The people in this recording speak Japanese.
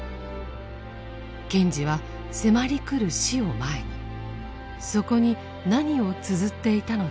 賢治は迫り来る死を前にそこに何をつづっていたのでしょうか。